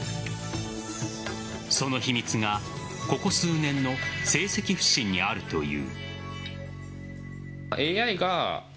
その秘密がここ数年の成績不振にあるという。